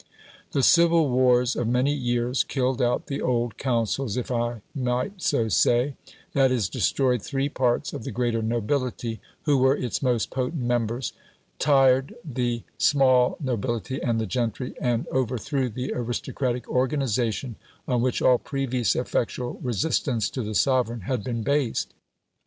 The civil wars of many years killed out the old councils (if I might so say): that is, destroyed three parts of the greater nobility, who were its most potent members, tired the small nobility and the gentry, and overthrew the aristocratic organisation on which all previous effectual resistance to the sovereign had been based.